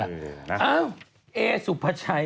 เอ้าเอสุภาชัยเนี่ย